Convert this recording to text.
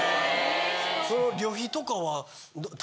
その旅費とかは。